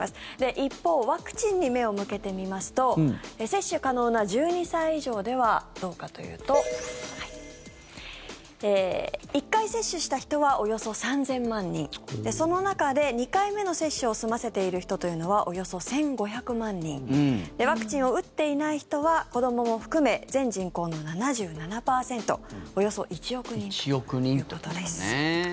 一方、ワクチンに目を向けてみますと接種可能な１２歳以上ではどうかというと１回接種した人はおよそ３０００万人その中で２回目の接種を済ませている人というのはおよそ１５００万人ワクチンを打っていない人は子どもも含め、全人口の７７％およそ１億人ということです。